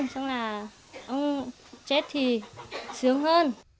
xong là ông chết thì